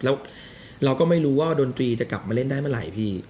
แล้วเราก็ไม่รู้ว่าดนตรีจะกลับมาเล่นได้เมื่อไหร่พี่